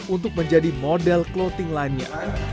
untuk menjadi model clothing lainnya